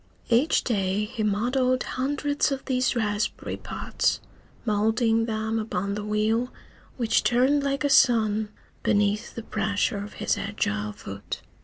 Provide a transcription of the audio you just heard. Each day he modelled hundreds of these raspberry pots, moulding them upon the wheel which turned like a sun beneath the pressure of his agile foot.